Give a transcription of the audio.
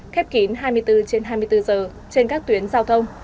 khép kín hai mươi bốn trên hai mươi bốn giờ trên các tuyến giao thông